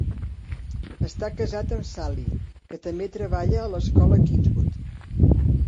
Està cassat amb Sally, que també treballà a l'escola Kingswood.